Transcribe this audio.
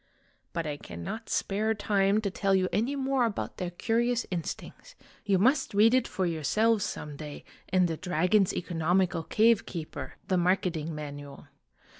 But I cannot spare time to tell you any more about their curious instincts you must read it for yourselves some day in the ' Dragon's Economical Cave keeper,' the marketing manual.